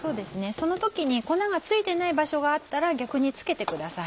その時に粉が付いてない場所があったら逆に付けてください。